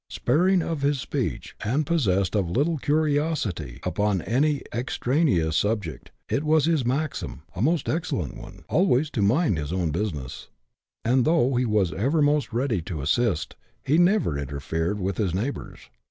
Sparing of his speech, and possessed of little curi osity upon any extraneous subject, it was his maxim — a most excellent one —" always to mind his own business ;" and though he was ever most ready to assist, he never interfered with his neighbours.